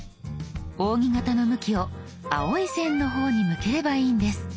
扇形の向きを青い線の方に向ければいいんです。